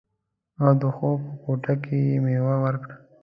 او د خوب په کوټه کې یې میوه وکړه